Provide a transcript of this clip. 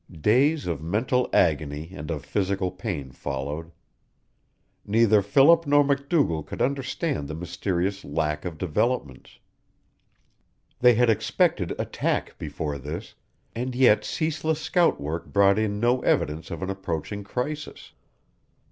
Days of mental agony and of physical pain followed. Neither Philip nor MacDougall could understand the mysterious lack of developments. They had expected attack before this, and yet ceaseless scout work brought in no evidence of an approaching crisis.